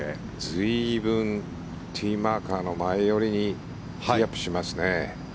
随分ティーマーカーの前寄りにティーアップしますね。